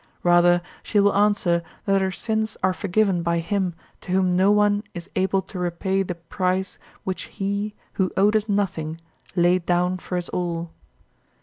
Rather, she will answer that her sins are forgiven by Him to whom no one is able to repay the price which he, who owed us nothing, laid down for us all.